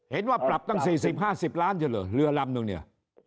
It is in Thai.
เห็นว่าปรับตั้ง๔๐๕๐ล้านใช่ไหมเรือลำนึงเนี่ย